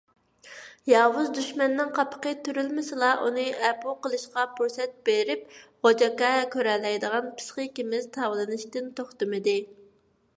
ياۋۇز دۈشمەننىڭ قاپىقى تۈرۈلمىسىلا ئۇنى ئەپۇ قىلىشقا پۇرسەت بېرىپ «غوجاكا» كۆرەلەيدىغان پىسخىكىمىز تاۋلىنىشتىن توختىمىدى.